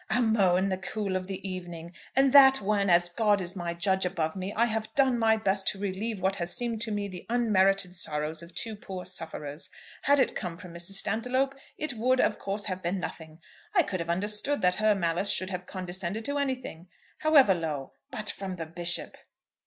"'"Amo" in the cool of the evening!' And that when, as God is my judge above me, I have done my best to relieve what has seemed to me the unmerited sorrows of two poor sufferers! Had it come from Mrs. Stantiloup, it would, of course, have been nothing. I could have understood that her malice should have condescended to anything, however low. But from the Bishop!"